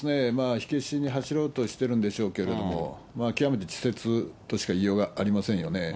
火消しに走ろうとしてるんでしょうけども、極めて稚拙としか言いようがありませんよね。